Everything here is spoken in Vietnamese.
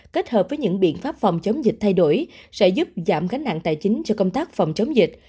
kết hợp với những biện pháp phòng chống dịch thay đổi sẽ giúp giảm gánh nặng tài chính cho công tác phòng chống dịch